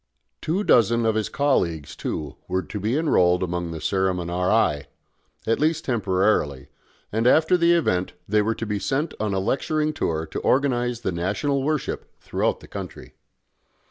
Two dozen of his colleagues, too, were to be enrolled among the ceremoniarii, at least temporarily and after the event they were to be sent on a lecturing tour to organise the national worship throughout the country.